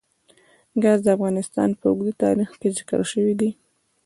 ګاز د افغانستان په اوږده تاریخ کې ذکر شوی دی.